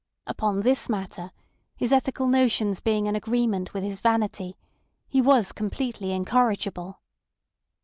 Upon this matter, his ethical notions being in agreement with his vanity, he was completely incorrigible.